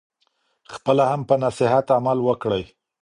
خپله هم په نصیحت عمل وکړئ.